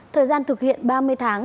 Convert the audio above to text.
thời gian thực hiện ba mươi tháng